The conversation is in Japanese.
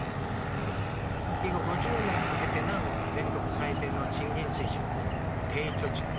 復帰後５０年を経てなお全国最低の賃金水準低貯蓄